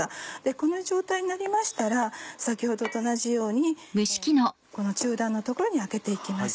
この状態になりましたら先ほどと同じようにこの中段の所にあけて行きます。